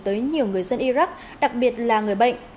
tới nhiều người dân iraq đặc biệt là người bệnh